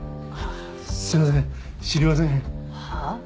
すいません知りませんはあ？